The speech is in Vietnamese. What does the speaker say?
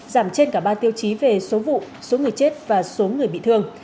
giảm trên cả ba tiêu chí về số vụ số người chết và số người bị thương